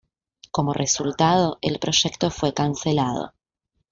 Como resultado, el proyecto fue cancelado.